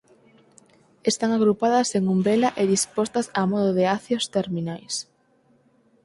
Están agrupadas en umbela e dispostas a modo de acios terminais.